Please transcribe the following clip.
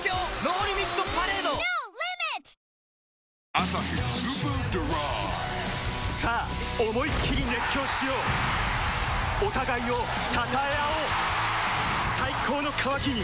「アサヒスーパードライ」さあ思いっきり熱狂しようお互いを称え合おう最高の渇きにＤＲＹ